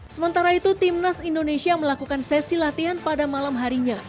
sementara itu timnas indonesia melakukan sesi latihan pada malam harinya